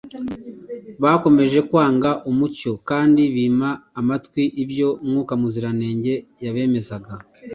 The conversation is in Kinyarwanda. Bakomeje kwanga umucyo kandi bima amatwi ibyo Mwuka Muziranenge yabemezaga.